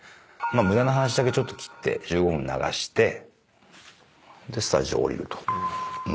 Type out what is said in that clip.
無駄な話だけちょっと切って１５分流してでスタジオ降りると。